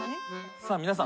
さあ皆さん。